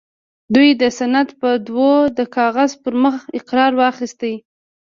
دوی د سند په دود د کاغذ پر مخ اقرار واخيسته